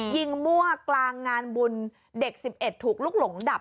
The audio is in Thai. มั่วกลางงานบุญเด็ก๑๑ถูกลุกหลงดับ